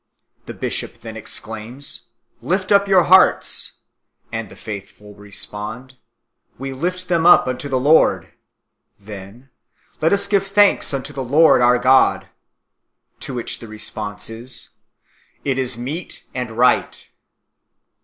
The bishop then exclaims, " Lift up your hearts," and the faith ful respond, " We lift them up unto the Lord ;" then, "Let us give thanks unto the Lord our God," to which the response is, " It is meet and right."